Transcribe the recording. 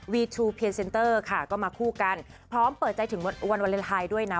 ทูพรีเซนเตอร์ค่ะก็มาคู่กันพร้อมเปิดใจถึงวันวาเลนไทยด้วยนะ